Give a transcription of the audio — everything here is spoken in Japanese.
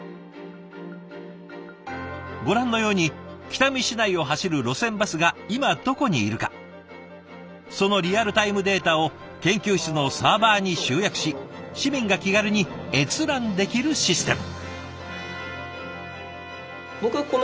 ご覧のように北見市内を走る路線バスが今どこにいるかそのリアルタイムデータを研究室のサーバーに集約し市民が気軽に閲覧できるシステム。